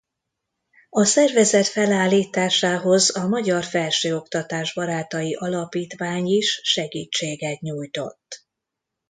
A szervezet felállításához a Magyar Felsőoktatás Barátai Alapítvány is segítséget nyújtott.